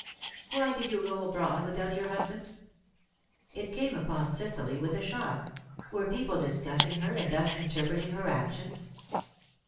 "Why did you go abroad without your husband?" It came upon Cecily with a shock. Were people discussing her, and thus interpreting her actions?